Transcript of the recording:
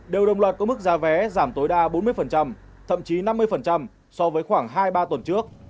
đều đồng loạt có mức giá vé giảm tối đa bốn mươi thậm chí năm mươi so với khoảng hai ba tuần trước